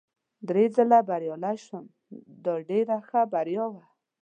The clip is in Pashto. درې ځلي بریالی شوم، دا ډېره ښه بریا وه.